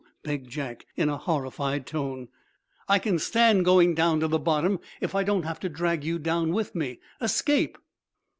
begged Jack, in a horrified tone. "I can stand going to the bottom if I don't have to drag you down with me. Escape!"